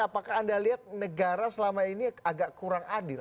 apakah anda lihat negara selama ini agak kurang adil